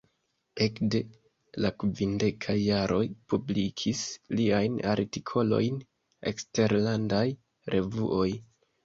Ekde la kvindekaj jaroj publikis liajn artikolojn eksterlandaj revuoj.